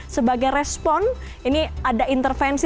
sebagai respon ini ada intervensi